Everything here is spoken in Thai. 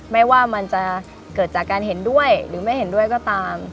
ไม่ว่ามันจะเกิดจากการเห็นด้วยหรือไม่เห็นด้วยก็ตาม